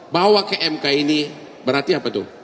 bawa ke mk ini berarti apa tuh